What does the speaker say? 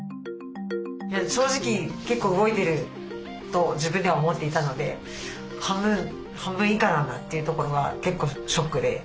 正直結構動いてると自分では思っていたので半分以下なんだというところは結構ショックで。